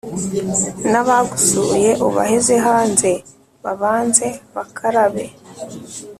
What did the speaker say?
N’abagusuye ubaheze hanze babanze bakarabe